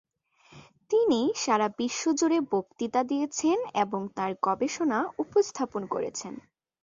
তিনি সারা বিশ্ব জুড়ে বক্তৃতা দিয়েছেন এবং তাঁর গবেষণা উপস্থাপন করেছেন।